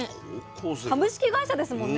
株式会社ですもんね。